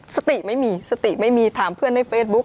สติไม่มีสติไม่มีถามเพื่อนในเฟซบุ๊ค